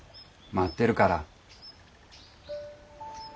待ってるから。